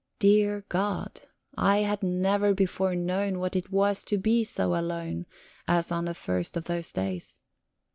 Dear God! I had never before known what it was to be so alone as on the first of those days.